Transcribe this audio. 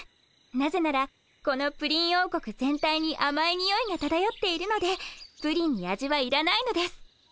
なぜならこのプリン王国全体にあまいにおいがただよっているのでプリンに味はいらないのです。